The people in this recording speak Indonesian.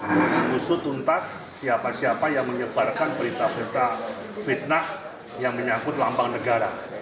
mengusut tuntas siapa siapa yang menyebarkan berita berita fitnah yang menyangkut lambang negara